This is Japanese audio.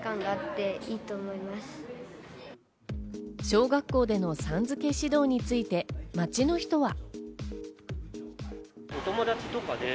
小学校でのさん付け指導について街の人は。